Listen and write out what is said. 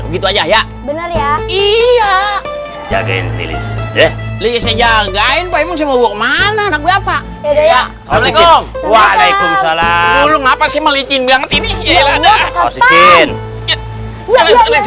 gitu aja ya iya jagain lili jagain mana